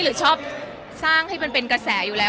หรือชอบสร้างให้มันเป็นกระแสอยู่แล้ว